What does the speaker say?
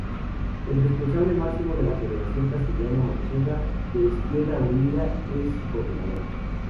El responsable máximo de la federación castellano-manchega de Izquierda Unida es su Coordinador.